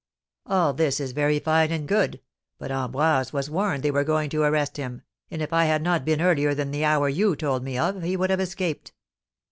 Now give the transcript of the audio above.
"All this is very fine and good; but Ambroise was warned they were going to arrest him, and if I had not been earlier than the hour you told me of, he would have escaped."